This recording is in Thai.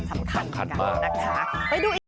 สำคัญมากนะคะ